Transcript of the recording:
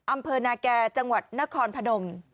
อำเภอนาแก่จังหวัดนครพนม